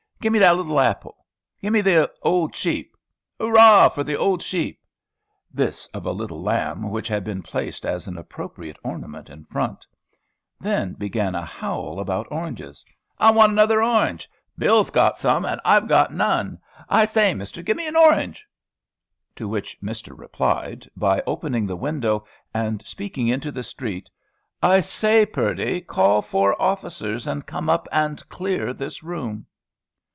"Give me that little apple." "Give me the old sheep." "Hoo! hurrah, for the old sheep!" This of a little lamb which had been placed as an appropriate ornament in front. Then began a howl about oranges. "I want another orange." "Bill's got some, and I've got none." "I say, Mister, give me an orange." To which Mister replied, by opening the window, and speaking into the street, "I say, Purdy, call four officers and come up and clear this room."